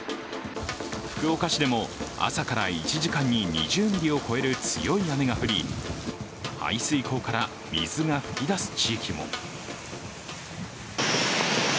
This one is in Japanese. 福岡市でも、朝から１時間に２０ミリを超える強い雨が降り排水溝から水が噴き出す地域も。